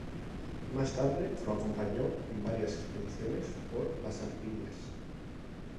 Más tarde lo acompañó en varias expediciones por las Antillas.